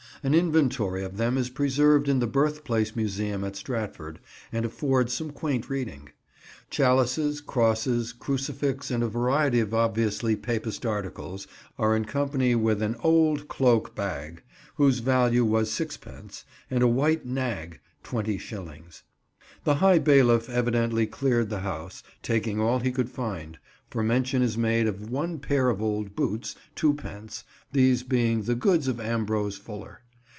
An inventory of them is preserved in the Birthplace Museum at Stratford, and affords some quaint reading. Chalices, crosses, crucifixes, and a variety of obviously Papist articles, are in company with "an oulde cloake bagge," whose value was sixpence, and "a white nagge," twenty shillings. The High Bailiff evidently cleared the house, taking all he could find, for mention is made of "one pair of old boots, 2_d._ these being the goods of Ambrose Fuller."